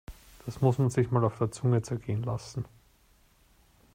Das muss man sich mal auf der Zunge zergehen lassen!